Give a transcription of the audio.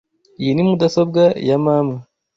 Iyi ni mudasobwa ya mama.